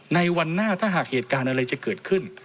ในวันหน้าถ้าหากเหตุการณ์อะไรจะเกิดขึ้น